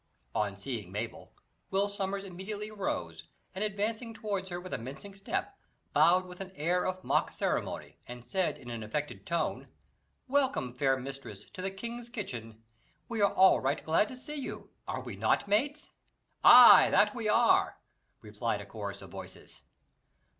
On seeing Mabel, Will Sommers immediately arose, and advancing towards her with a mincing step, bowed with an air of mock ceremony, and said in an affected tone, "Welcome, fair mistress, to the king's kitchen. We are all right glad to see you; are we not, mates?" "Ay, that we are!" replied a chorus of voices.